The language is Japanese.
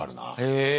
へえ！